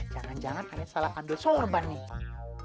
jangan jangan aneh salah pandul sorban nih